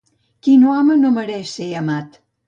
Qui no ama no mereix ser amat.